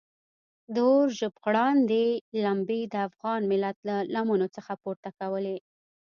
د اور ژبغړاندې لمبې د افغان ملت له لمنو څخه پورته کولې.